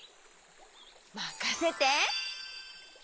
まかせて！